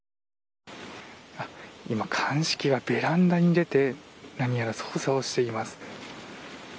今、鑑識がベランダに出て何やら捜査をしています。